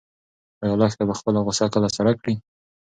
ایا لښته به خپله غوسه کله سړه کړي؟